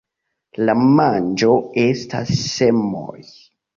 La manĝo estas semoj.